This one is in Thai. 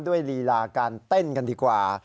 ด้วยฬีลาการเต้นกันดีกว่า